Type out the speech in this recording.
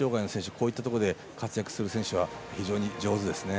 こういったところで活躍する選手は非常に上手ですね。